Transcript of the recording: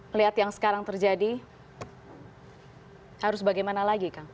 melihat yang sekarang terjadi harus bagaimana lagi kang